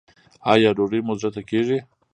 ایا ډوډۍ مو زړه ته کیږي؟